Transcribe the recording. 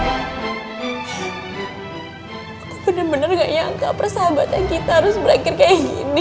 aku bener bener gak nyangka persahabatan kita harus berakhir kayak gini